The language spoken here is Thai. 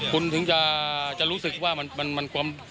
คุณถึงจะรู้สึกว่ามันความ